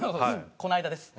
この間です。